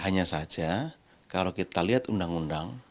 hanya saja kalau kita lihat undang undang